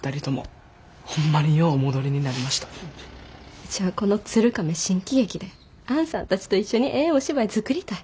うちはこの鶴亀新喜劇であんさんたちと一緒にええお芝居作りたい。